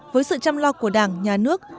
với sự chăm lo của đảng nhà nước